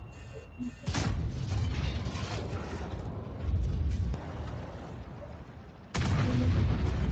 Aliuambia mkutano wa waandishi wa habari mjini Juba ikiwa imesalia miezi minane pekee.